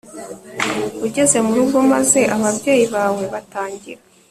ugeze mu rugo maze ababyeyi bawe batangira